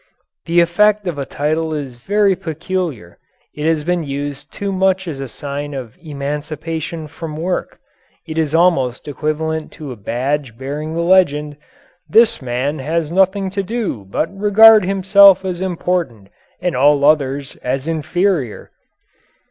The effect of a title is very peculiar. It has been used too much as a sign of emancipation from work. It is almost equivalent to a badge bearing the legend: "This man has nothing to do but regard himself as important and all others as inferior."